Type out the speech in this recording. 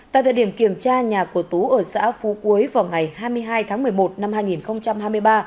tại thời điểm kiểm tra nhà của tú ở xã phú quế vào ngày hai mươi hai tháng một mươi một năm hai nghìn hai mươi ba